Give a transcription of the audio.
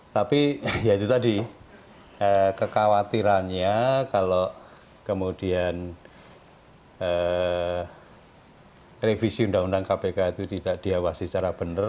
tapi ya itu tadi kekhawatirannya kalau kemudian revisi undang undang kpk itu tidak diawasi secara benar